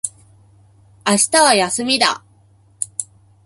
明日は休みだ。